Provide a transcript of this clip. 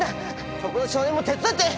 そこの少年も手伝って！